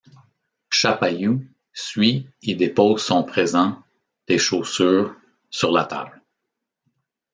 Chapailloux suit et dépose son présent, des chaussures, sur la table.